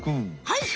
はい！